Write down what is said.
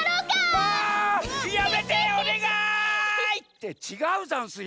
あやめておねがい！ってちがうざんすよ。